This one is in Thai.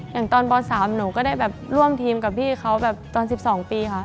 อย่างตอนป๓หนูก็ได้แบบร่วมทีมกับพี่เขาแบบตอน๑๒ปีค่ะ